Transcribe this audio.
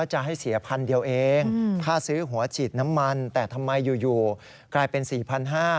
ให้หัวฉีดน้ำมันแต่ทำไมอยู่กลายเป็น๔๕๐๐บาท